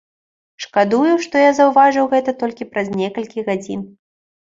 Шкадую, што я заўважыў гэта толькі праз некалькі гадзін.